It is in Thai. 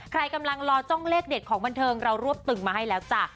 ใครกำลังรอจ้องเลขเด็ดของบันเทิงเรารวบตึงมาให้แล้วจ้ะ